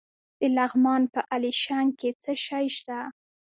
د لغمان په علیشنګ کې څه شی شته؟